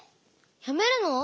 やめるの？